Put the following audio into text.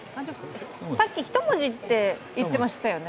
さっき１文字って言ってましたよね？